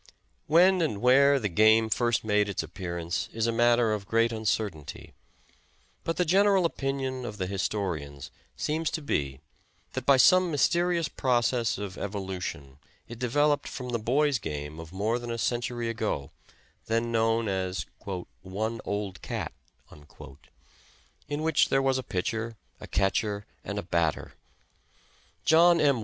When and where the game first made its appearance is a matter of great uncertainty, but the general opinion of the historians seems to be that by some mysterious process of evolution it developed from the boys' game of more than a century ago, then known as "one old cat," in which there was a pitcher, a catcher, and a batter. John M.